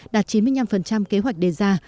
đạt chín mươi năm kế hoạch đề ra